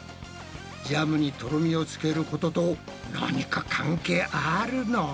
ジャムにとろみをつけることと何か関係あるの？